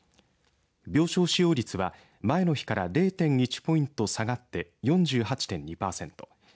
病床使用率は前の日から０．１ポイント下がって４８．２パーセント。